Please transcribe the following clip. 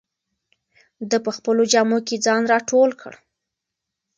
ده په خپلو جامو کې ځان راټول کړ.